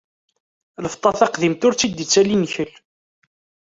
Lfeṭṭa taqdimt, ur tt-id-ittali nnkel.